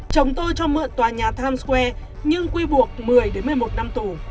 chồng tôi cho mượn tòa nhà times square nhưng quy buộc một mươi một mươi một năm tù